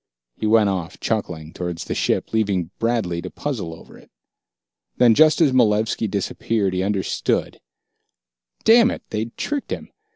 He went off, chuckling, towards his ship, leaving Bradley to puzzle over it. Then, just as Malevski disappeared, he understood. Damn it, they'd tricked him!